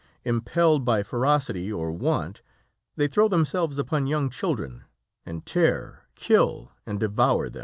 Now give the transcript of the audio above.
Impelled by ferocity or want, they throw themselves upon young children and tear, kill, and devour them."